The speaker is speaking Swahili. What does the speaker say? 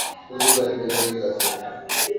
Siwezi kuwa nikitembea kila siku